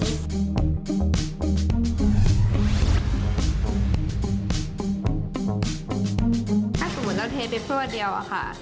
ถ้าสมมุติเราเทเป็ปเฟิร์เดียวค่ะ